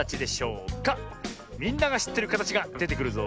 みんながしってるかたちがでてくるぞ。